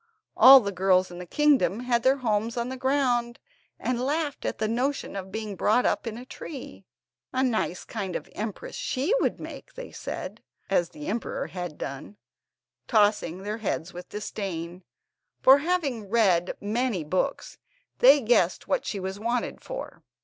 All the girls in the kingdom had their homes on the ground, and laughed at the notion of being brought up in a tree. "A nice kind of empress she would make," they said, as the emperor had done, tossing their heads with disdain; for, having read many books, they guessed what she was wanted for.